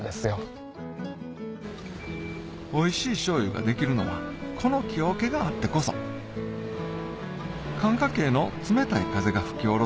おいしい醤油ができるのはこの木桶があってこそ寒霞渓の冷たい風が吹き下ろす